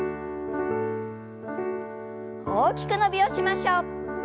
大きく伸びをしましょう。